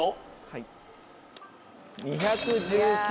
はい。